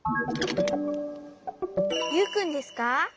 ユウくんですか？